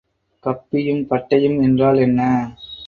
கப்பியும் பட்டையும் என்றால் என்ன?